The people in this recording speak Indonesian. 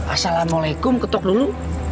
assalamualaikum ketuk dulu